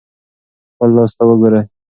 خپل لاس ته وګورئ.